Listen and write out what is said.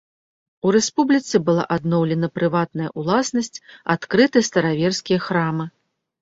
У рэспубліцы была адноўлена прыватная ўласнасць, адкрыты стараверскія храмы.